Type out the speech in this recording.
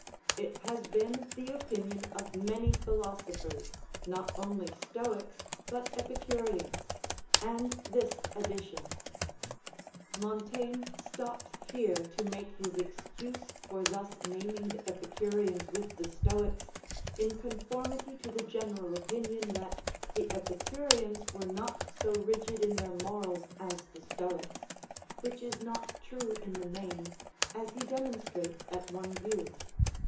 ] It has been the opinion of many philosophers, not only Stoics, but Epicureans and this addition ["Montaigne stops here to make his excuse for thus naming the Epicureans with the Stoics, in conformity to the general opinion that the Epicureans were not so rigid in their morals as the Stoics, which is not true in the main, as he demonstrates at one view.